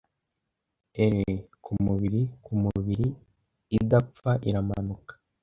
Ere kumubiri kumubiri idapfa iramanuka: -